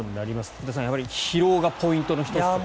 福田さん、やはり疲労がポイントの１つと。